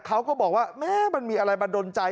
เขาก็บอกว่ามันมีอะไรมันโดนใจ